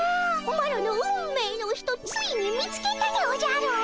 マロの運命の人ついに見つけたでおじゃる！